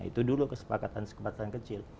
itu dulu kesepakatan kesepakatan kecil